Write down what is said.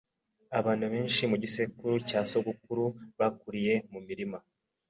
Abantu benshi mu gisekuru cya sogokuru bakuriye mu mirima.